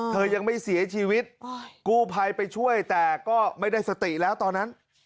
พ่อไม่ได้สติแล้วตอนนั้น